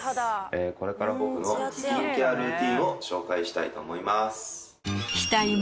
これから僕のスキンケアルーティンを紹介したいと思います。